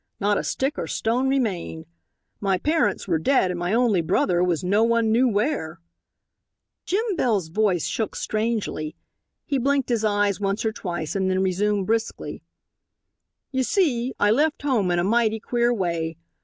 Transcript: Not a stick or stone remained. My parents were dead and my only brother was no one knew where." Jim Bell's voice shook strangely. He blinked his eyes once or twice and then resumed briskly: "You see, I left home in a mighty queer way.